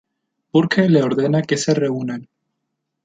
Burke le ordena que se reúnan.